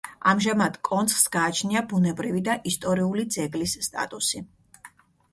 ამჟამად კონცხს გააჩნია ბუნებრივი და ისტორიული ძეგლის სტატუსი.